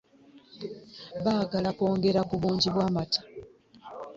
Baagala kwongera ku bungi bw'amata.